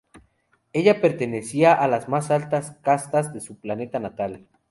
Ella pertenecía a las más altas castas de su planeta natal.